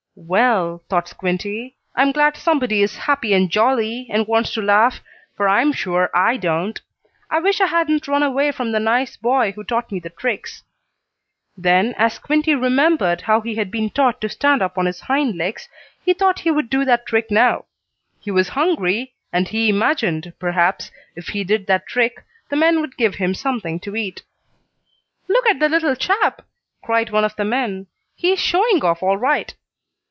"Well," thought Squinty, "I'm glad somebody is happy and jolly, and wants to laugh, for I'm sure I don't. I wish I hadn't run away from the nice boy who taught me the tricks." Then, as Squinty remembered how he had been taught to stand up on his hind legs, he thought he would do that trick now. He was hungry, and he imagined, perhaps, if he did that trick, the men would give him something to eat. "Look at the little chap!" cried one of the men. "He's showing off all right."